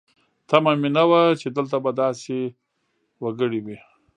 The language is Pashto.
تمه مې نه وه چې دلته به داسې وګړي وي.